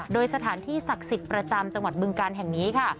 โดยสถานที่ศักดิ์สิทธิ์ประจำจังหวัดบึงการแห่งนี้ค่ะ